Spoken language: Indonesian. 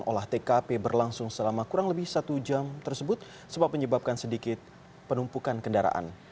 olah tkp berlangsung selama kurang lebih satu jam tersebut sebab menyebabkan sedikit penumpukan kendaraan